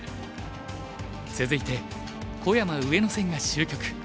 続いて小山・上野戦が終局。